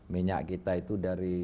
minyak kita itu dari